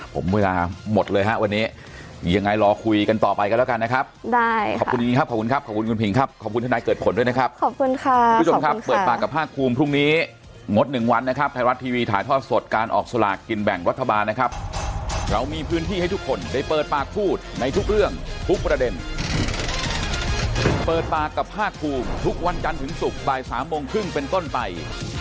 ครับผมเวลาหมดเลยฮะวันนี้ยังไงรอคุยกันต่อไปกันแล้วกันนะครับได้ขอบคุณครับขอบคุณครับขอบคุณคุณผิงครับขอบคุณที่นายเกิดผลด้วยนะครับขอบคุณค่ะขอบคุณครับเปิดปากกับห้าคลุมพรุ่งนี้งด๑วันนะครับไทยรัฐทีวีถ่ายทอดสดการออกสลากกินแบ่งวัฒนาบาลนะครับเรามีพื้นที่ให้ทุกคนได้เปิ